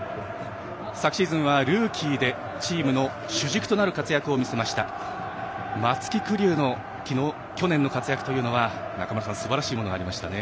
昨シーズンはルーキーでチームの主軸となる活躍を見せました松木玖生の去年の活躍というのは中村さん、すばらしいものがありましたね。